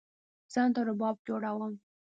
ځان ته رباب جوړوم